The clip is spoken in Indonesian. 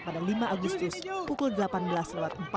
pada lombok yang terkena gempa